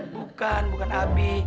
bukan bukan abi